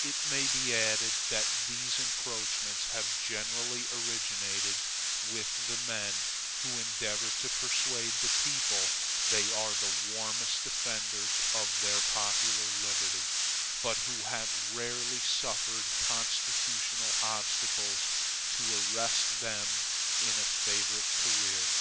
It may be added that these encroachments have generally originated with the men who endeavor to persuade the people they are the warmest defenders of popular liberty, but who have rarely suffered constitutional obstacles to arrest them in a favorite career.